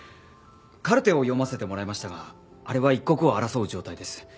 カルテを読ませてもらいましたがあれは一刻を争う状態です。